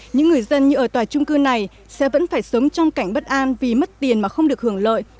những người dân như ở tòa trung cư này sẽ vẫn phải sống trong cảnh bất an vì mất tiền mà không được hưởng lợi